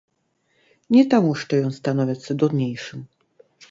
Не таму што ён становіцца дурнейшым.